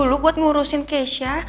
dulu buat ngurusin keisha